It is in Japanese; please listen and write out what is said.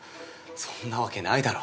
そんなわけないだろ。